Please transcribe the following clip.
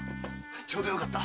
ちょうどよかった。